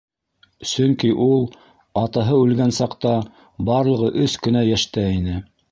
Сөнки ул, атаһы үлгән саҡта, барлығы өс кенә йәштә ине.